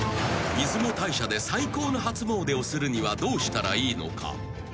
［出雲大社で最高の初詣をするにはどうしたらいいのか？］